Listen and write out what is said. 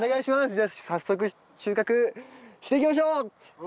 じゃあ早速収穫していきましょう！